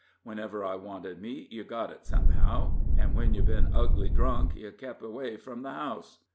Whenever I wanted meat yev got it, somehow; an' when yev been ugly drunk, yev kep' away from the house.